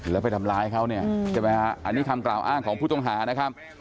แล้วไปทำร้ายเขาเนี่ยใช่ไหมฮะอันนี้คำกล่าวอ้างของผู้ต้องหานะครับ